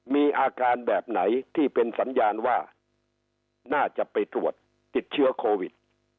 มีอาการแบบไหนที่เป็นสัญญาณว่าน่าจะไปตรวจติดเชื้อโควิด